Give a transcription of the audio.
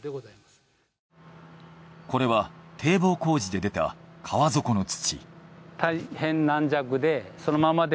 これは堤防工事で出た川底の土。